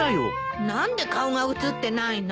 何で顔が写ってないの？